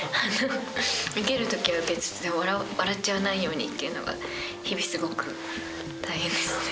受ける時は受けつつでも笑っちゃわないようにっていうのが日々すごく大変です。